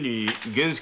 源助？